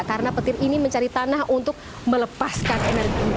karena petir ini mencari tanah untuk melepaskan energi